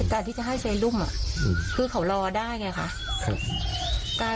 การที่จะให้เซรุมคือเขารอได้ไงคะ